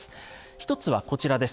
一つはこちらです。